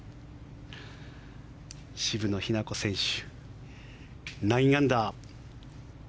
渋野日向子選手９アンダー。